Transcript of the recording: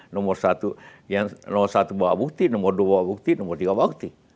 nomor satu bawa bukti nomor dua bawa bukti nomor tiga bawa bukti